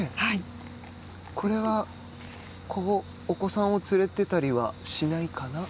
これは、お子さんを連れてたりとかはしないかな。